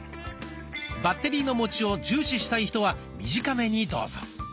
バッテリーのもちを重視したい人は短めにどうぞ。